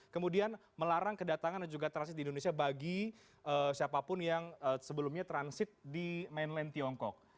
kemudian melarang kedatangan dan juga transit di indonesia bagi siapapun yang sebelumnya transit di mainland tiongkok